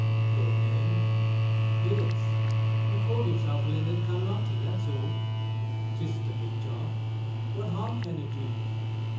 "Your name?" "Yes; you'll call yourself Leonard Carlotti, that's all. 'Tisn't a big job. What harm can it do you?